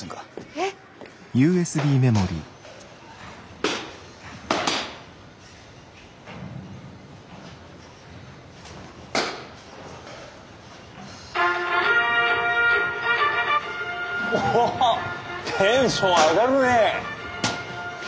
えっ！おっテンション上がるねえ。